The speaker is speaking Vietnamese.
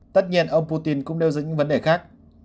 tất nhiên ông putin cũng đeo dẫn những vấn đề khác